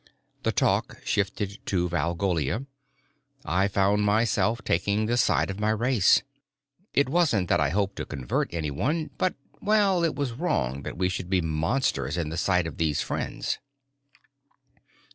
The talk shifted to Valgolia. I found myself taking the side of my race. It wasn't that I hoped to convert anyone, but well, it was wrong that we should be monsters in the sight of these friends.